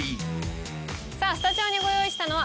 さぁスタジオにご用意したのは。